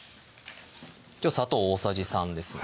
きょう砂糖大さじ３ですね